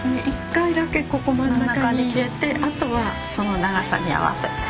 １回だけここ真ん中に入れてあとはその長さに合わせて。